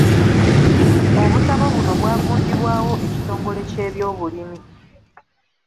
Obutabo buno bwagunjibwawo ekitongole ky’ebyobulimi.